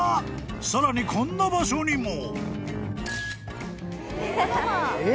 さらにこんな場所にも］え？